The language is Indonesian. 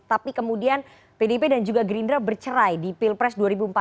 tapi kemudian pdp dan juga gerindra bercerai di pilpres dua ribu empat belas